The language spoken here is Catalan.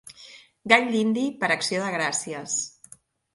Gall dindi per Acció de gràcies.